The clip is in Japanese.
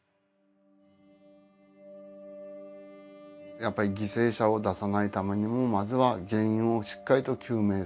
やっぱり犠牲者を出さないためにもまずは原因をしっかりと究明する。